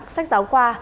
sách giáo khoa